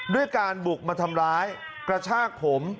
ด้วยการบุกมาทำร้ายกระชากผม